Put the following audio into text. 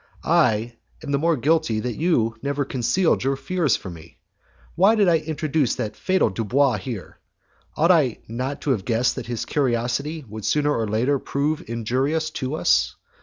I am all the more guilty that you never concealed your fears from me. Why did I introduce that fatal Dubois here? Ought I not to have guessed that his curiosity would sooner or later prove injurious to us?